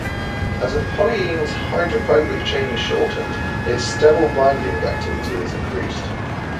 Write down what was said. As a polyene's hydrophobic chain is shortened, its sterol binding activity is increased.